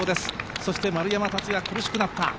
そして丸山竜也、苦しくなった。